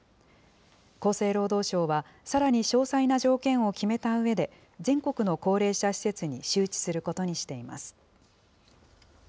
厚生労働省は、さらに詳細な条件を決めたうえで、全国の高齢者施設に周知することにしています。